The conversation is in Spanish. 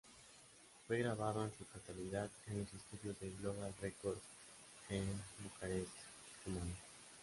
Fue grabado en su totalidad en los estudios de Global Records en Bucarest, Rumania.